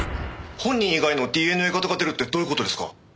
本人以外のＤＮＡ型が出るってどういう事ですか？